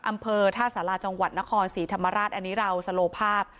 อำเภอท่าสาราจังหวัดนครศรีธรรมราชอันนี้เราสโลภาพ